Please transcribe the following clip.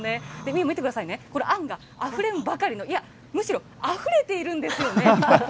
見てくださいね、あんがあふれんばかりの、いや、むしろあふれているんですよね。